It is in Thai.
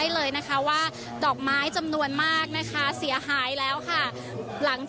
เลยนะครับว่าดอกไม้จำนวนมากนะคะเสียหายแล้วค่ะ